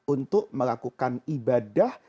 untuk melakukan ibadah